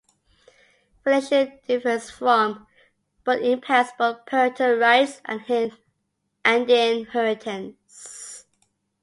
Filiation differs from, but impacts, both parental rights and inheritance.